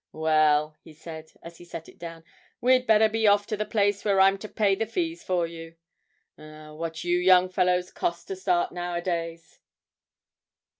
'Well,' he said, as he set it down, 'we'd better be off to the place where I'm to pay the fees for you. Ah, what you young fellows cost to start nowadays!'